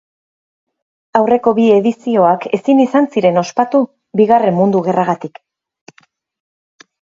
Aurreko bi edizioak, ezin izan ziren ospatu, Bigarren Mundu Gerragatik.